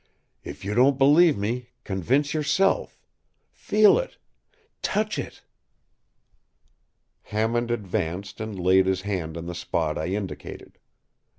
If you don’t believe me convince yourself. Feel it—touch it.” Hammond advanced and laid his hand in the spot I indicated.